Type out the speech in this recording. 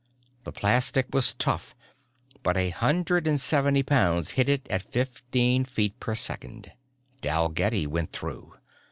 The plastic was tough but a hundred and seventy pounds hit it at fifteen feet per second. Dalgetty went through!